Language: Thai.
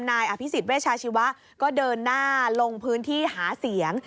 นายอภิษฎเวชาชีวะก็เดินหน้าลงพื้นที่หาเสียง